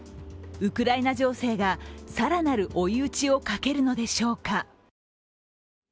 ウクライナ情勢が更なる追い打ちをかけるのでしょうか。